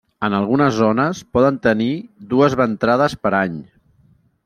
En algunes zones, poden tenir dues ventrades per any.